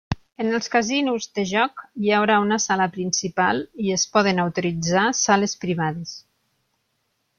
En els casinos de joc hi haurà una sala principal i es poden autoritzar sales privades.